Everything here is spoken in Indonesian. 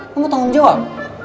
lu mau tanggung jawab